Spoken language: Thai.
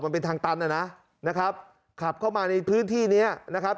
มันเป็นทางตันอ่ะนะนะครับขับเข้ามาในพื้นที่เนี้ยนะครับ